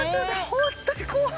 ホントに怖い！